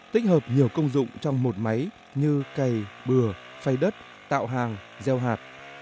tích hợp nhiều công dụng trong một máy như cày bừa phay đất tạo hàng gieo hạt